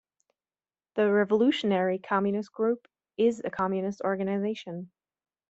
The Revolutionary Communist Group is a communist organisation.